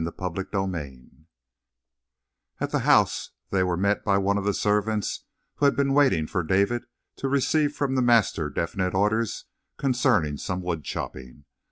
CHAPTER TWENTY NINE At the house they were met by one of the servants who had been waiting for David to receive from the master definite orders concerning some woodchopping.